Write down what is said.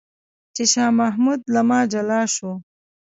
چې شاه محمود له ما جلا شو.